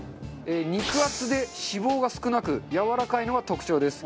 肉厚で脂肪が少なくやわらかいのが特徴です。